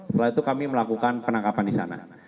setelah itu kami melakukan penangkapan di sana